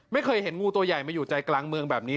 ไม่เคยเห็นตัวน้างงูในเกาะเมืองแบบนี้